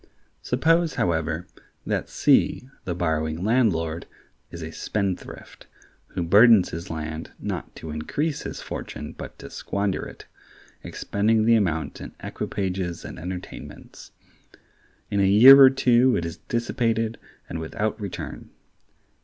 Suppose, however, that C, the borrowing landlord, is a spendthrift, who burdens his land not to increase his fortune but to squander it, expending the amount in equipages and entertainments. In a year or two it is dissipated, and without return.